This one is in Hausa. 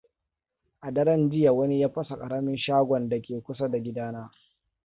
A daren jiya wani ya fasa karamin shagon da ke kusa da gidana.